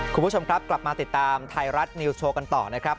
คุณผู้ชมครับกลับมาติดตามไทยรัฐนิวส์โชว์กันต่อนะครับ